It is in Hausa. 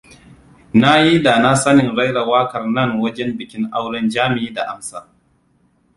Na yi dana sanin raira wakar nan wajen bikin auren Jami da Amsa.